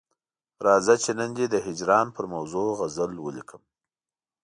راځه چې نن دي د هجران پر موضوع غزل ولیکم.